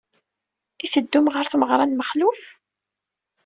I teddum ɣer tmeɣra n Mexluf?